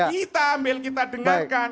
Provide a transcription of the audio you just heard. kita ambil kita dengarkan